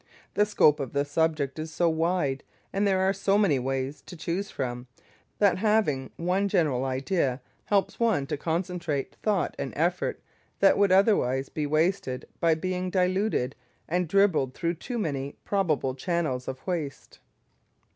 The scope of the subject is so wide, and there are so many ways to choose from, that having one general idea helps one to concentrate thought and effort that would otherwise be wasted by being diluted and dribbled through too many probable channels of waste.